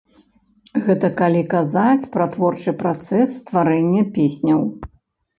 Гэта калі казаць пра творчы працэс стварэння песняў.